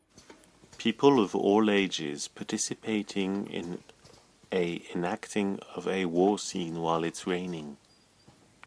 people of all ages participating in a enacting of a war scene while it 's raining.